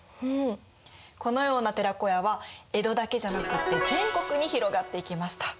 このような寺子屋は江戸だけじゃなくて全国に広がっていきました。